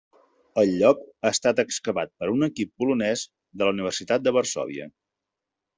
El lloc ha estat excavat per un equip polonès de la Universitat de Varsòvia.